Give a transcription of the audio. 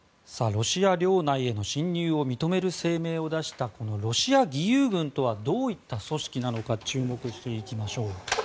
ロシア領内への侵入を認める声明を出したこのロシア義勇軍とはどういった組織なのか注目していきましょう。